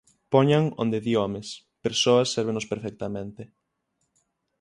Poñan onde di "homes", "persoas" sérvenos perfectamente.